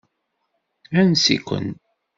Ansi-ken.